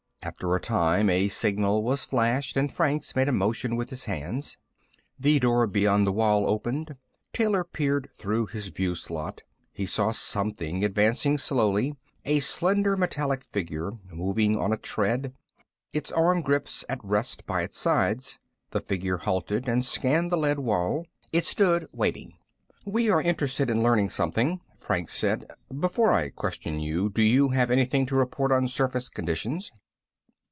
After a time, a signal was flashed, and Franks made a motion with his hands. The door beyond the wall opened. Taylor peered through his view slot. He saw something advancing slowly, a slender metallic figure moving on a tread, its arm grips at rest by its sides. The figure halted and scanned the lead wall. It stood, waiting. "We are interested in learning something," Franks said. "Before I question you, do you have anything to report on surface conditions?"